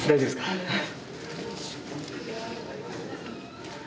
はい。